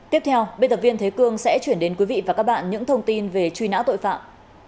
tiếp theo biên tập viên thế cương sẽ chuyển đến quý vị và các bạn những thông tin về truy nã tội phạm